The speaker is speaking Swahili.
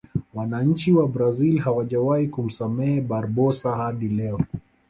wananchi wa brazil hawajawahi kumsamehe barbosa hadi leo